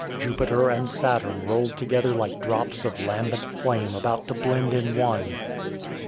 Jupiter and Saturn rolled together like drops of lambent flame about to blend in one.